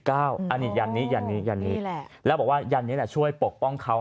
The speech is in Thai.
อันนี้ยันนี้ยันนี้ยันนี้แล้วบอกว่ายันนี้แหละช่วยปกป้องเขา